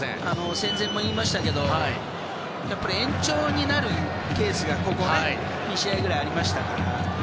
戦前も言いましたけど延長になるケースがここ２試合ぐらいありましたから。